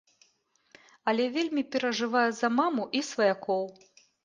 Але вельмі перажывае за маму і сваякоў.